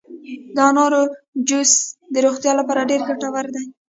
د انارو جوس د روغتیا لپاره ډیر ګټور دي.